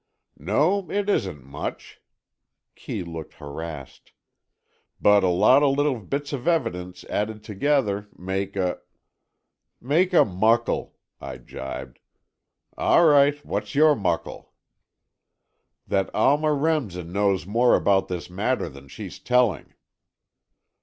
"No, it isn't much." Kee looked harassed. "But a lot of little bits of evidence, added together, make a——" "Make a muckle," I jibed. "All right, what's your muckle?" "That Alma Remsen knows more about this matter than she's telling."